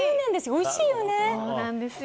おいしいよね。